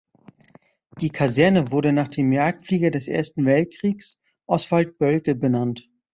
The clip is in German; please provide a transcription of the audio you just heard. Die Kaserne wurde nach dem Jagdflieger des Ersten Weltkriegs Oswald Boelcke benannt.